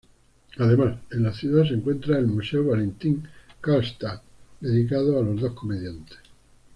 Además, en la ciudad se encuentra el Museo Valentin-Karlstadt dedicado a los dos comediantes.